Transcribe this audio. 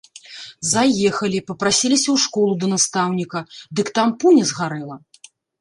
Заехалі, папрасіліся ў школу да настаўніка, дык там пуня згарэла!